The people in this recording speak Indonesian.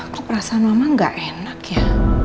kok perasaan mama gak enak ya